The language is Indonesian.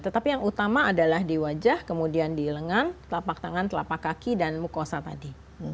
tetapi yang utama adalah di wajah kemudian di lengan telapak tangan telapak kaki dan mukosa tadi